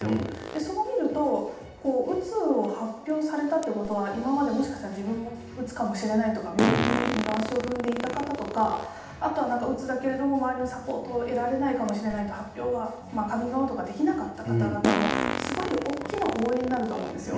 そう見ると、うつを発表されたということは、今までもしかしたら自分もうつかもしれないとか、病院に二の足を踏んでいた方とか、あとはなんかうつだけれども、周りのサポートを得られないかもしれないと、発表とかカミングアウトができなかった方々のすごい大きな応援になると思うんですよ。